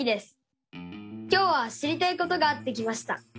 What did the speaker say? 今日は知りたいことがあって来ました。